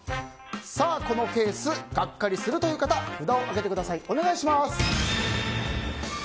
このケースガッカリするという方札を挙げてください。